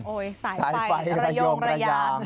โอ๊ยสายไฟระยงระย่าง